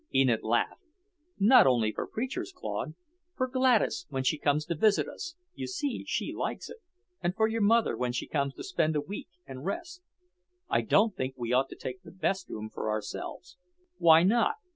Enid laughed. "Not only for preachers, Claude. For Gladys, when she comes to visit us you see she likes it and for your mother when she comes to spend a week and rest. I don't think we ought to take the best room for ourselves." "Why not?"